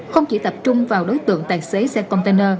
không chỉ tập trung vào đối tượng tài xế xe container